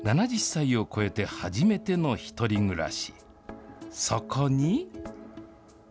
７０歳を超えて初めての１人暮らし。